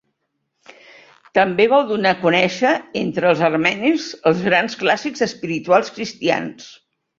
També vol donar a conèixer entre els armenis els grans clàssics espirituals cristians.